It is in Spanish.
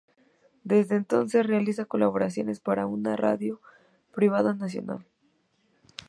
Desde entonces realiza colaboraciones para una radio privada nacional.